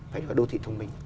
phải gọi là đô thị thông minh